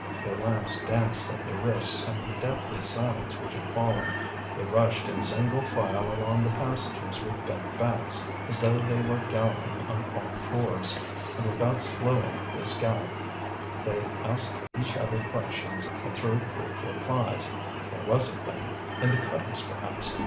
Their lamps danced at their wrists in the deathly silence which had fallen; they rushed in single file along the passages with bent backs, as though they were galloping on all fours; and without slowing this gallop they asked each other questions and threw brief replies. Where was it, then? In the cuttings, perhaps.